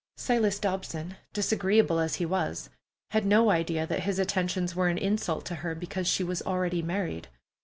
Silas Dobson, disagreeable as he was, had no idea that his attentions were an insult to her because she was already married.